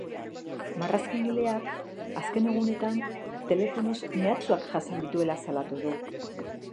Marrazkigileak azken egunetan telefonoz mehatxuak jasan dituela salatu du.